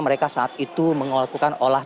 mereka saat itu melakukan olah